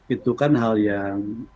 itu kan hal yang